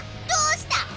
どうした？